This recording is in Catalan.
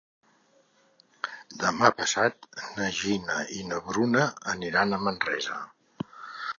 Demà passat na Gina i na Bruna aniran a Manresa.